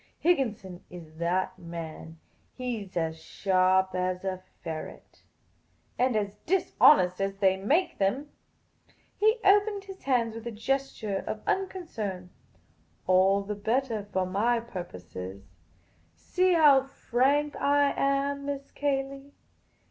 Higginson is that man. He 's as sharp as a ferret." " And as dishonest as they make them." He opened his hands with a gesture of unconcern. " All the bettah for my purpose. See how frank I am, Miss Cayley.